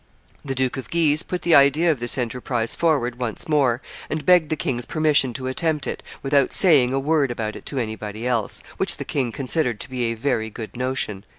The Duke of Guise put the idea of this enterprise forward once more, and begged the king's permission to attempt it, without saying a word about it to anybody else, which the king considered to be a very good notion."